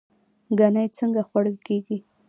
ګنی څنګه خوړل کیږي؟